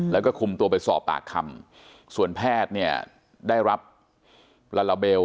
แล้วก็คุมตัวไปสอบปากคำส่วนแพทย์เนี่ยได้รับลาลาเบล